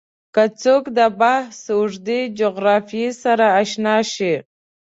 که څوک د بحث اوږدې جغرافیې سره اشنا شي